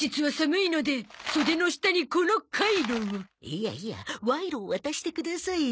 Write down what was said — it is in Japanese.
いやいやワイロを渡してくださいよ。